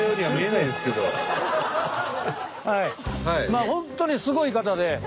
まあ本当にすごい方で。